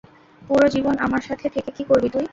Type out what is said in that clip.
পুরো জীবন আমার সাথে থেকে কি করবি তুই?